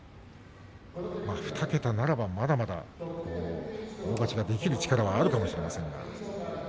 ２桁ならばまだまだ大勝ちできる力があるかもしれません。